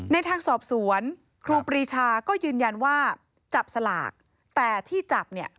ในทางสอบสวนครูปรีชาก็ยืนยันว่าจับสลากแต่ที่จับเนี่ย